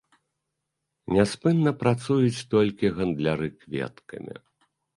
Няспынна працуюць толькі гандляры кветкамі.